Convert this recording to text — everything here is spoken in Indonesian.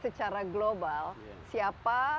secara global siapa